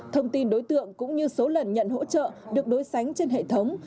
thông tin đối tượng cũng như số lần nhận hỗ trợ được đối sánh trên hệ thống